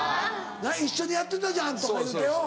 一緒にやってたじゃんとか言うてうん。